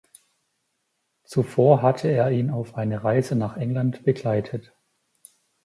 Zuvor hatte er ihn auf eine Reise nach England begleitet.